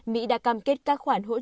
mỹ đã cam kết các khu vực này